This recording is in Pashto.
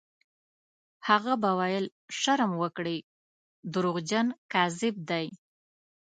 هغه به ویل: «شرم وکړئ! دروغجن، کذاب دی».